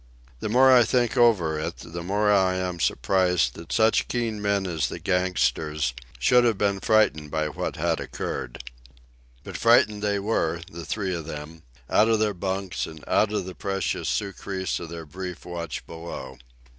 The more I think over it the more I am surprised that such keen men as the gangsters should have been frightened by what had occurred. But frightened they were, the three of them, out of their bunks and out of the precious surcease of their brief watch below.